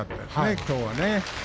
きょうは。